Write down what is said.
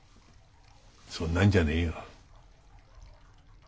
そんなんじゃねえよ。